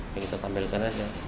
yang kita tampilkan aja